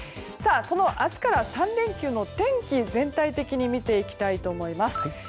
その明日から３連休の天気を全体的に見ていきます。